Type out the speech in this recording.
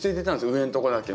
上のとこだけ。